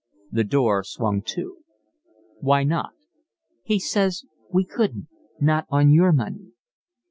The door swung to. "Why not?" "He says we couldn't, not on your money."